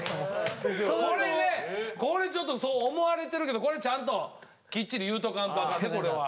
これねこれちょっとそう思われてるけどこれちゃんときっちり言うとかんとあかんでこれは。